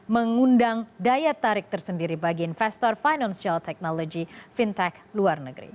mengundang daya tarik tersendiri bagi investor financial technology fintech luar negeri